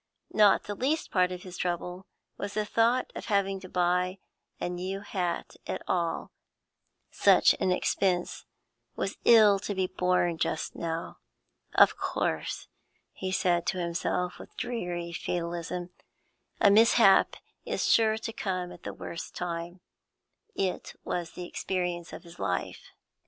Not the least part of his trouble was the thought of having to buy a new hat at all; such an expense was ill to be borne just now. Of course he said to himself, with dreary fatalism a mishap is sure to come at the worst time. It was the experience of his life.